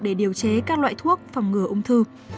để điều chế các loại thuốc phòng ngừa ung thư